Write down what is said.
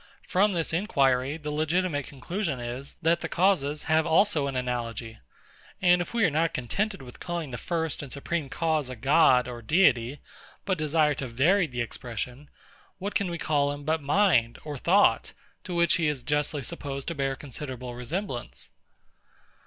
From this inquiry, the legitimate conclusion is, that the causes have also an analogy: And if we are not contented with calling the first and supreme cause a GOD or DEITY, but desire to vary the expression; what can we call him but MIND or THOUGHT, to which he is justly supposed to bear a considerable resemblance?